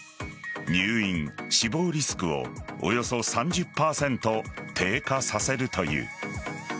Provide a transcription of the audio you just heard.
入院・死亡リスクをおよそ３０％低下させるという。